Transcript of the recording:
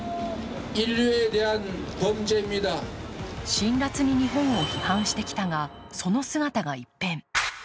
辛らつに日本を非難してきたがその姿が一変。